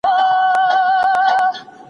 ماشوم په ډېرې مېړانې سره ځواب ورکړ.